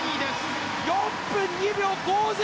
４分２秒５０。